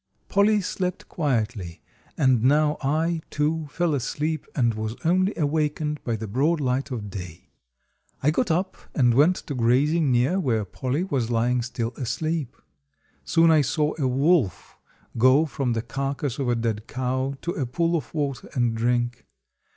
Polly slept quietly, and now I, too, fell asleep, and was only awakened by the broad light of day. I got up and went to grazing near where Polly was lying still asleep. Soon I saw a wolf go from the carcass of a dead cow to a pool of water and drink.